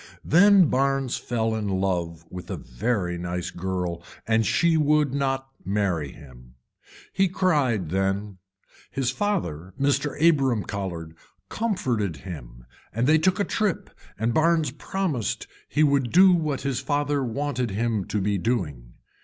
Then Barnes fell in love with a very nice girl and she would not marry him. He cried then, his father Mr. Abram Colhard comforted him and they took a trip and Barnes promised he would do what his father wanted him to be doing.